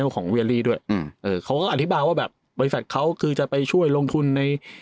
ของเวียรี่ด้วยอืมเออเขาก็อธิบายว่าแบบบริษัทเขาคือจะไปช่วยลงทุนใน